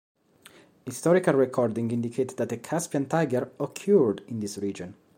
Historical records indicate that the Caspian tiger occurred in this region.